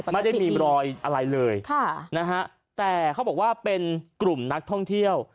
ไม่ได้มีรอยอะไรเลยแต่เขาบอกว่าเป็นกลุ่มนักท่องเที่ยว